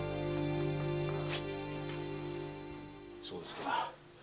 そうですか。